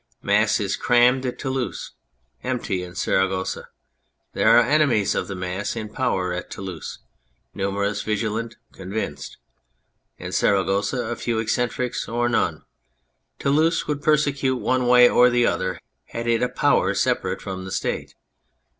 Mass is crammed at Toulouse, empty in Saragossa. There are enemies of the Mass in power at Toulouse, numerous, vigilant, convinced. In Saragossa a few eccentrics or none. Toulouse would persecute one way or the other had it a power separate from the State.